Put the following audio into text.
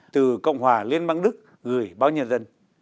từ cộng hòa liên bang đức gửi báo nhân dân